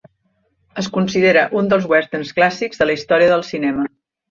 Es considera un dels westerns clàssics de la història del cinema.